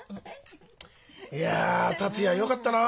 いや達也よかったな！